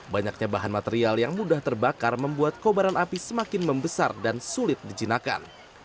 banyaknya bahan material yang mudah terbakar membuat kobaran api semakin membesar dan sulit dijinakan